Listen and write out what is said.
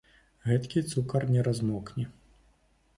Гэткі цукар не размокне.